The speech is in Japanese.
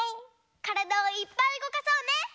からだをいっぱいうごかそうね！